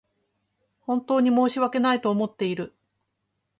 本当に申し訳ないと思っている